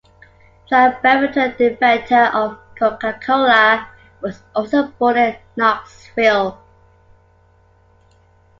John Pemberton, the inventor of Coca-Cola, was also born in Knoxville.